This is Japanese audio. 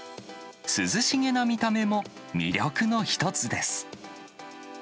涼しげな見た目も魅力の一つです。